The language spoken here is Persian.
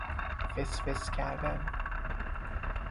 فسفس کردن